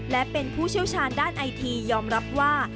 และเป็นผู้เชี่ยวชาญด้านไอทียอมรับว่า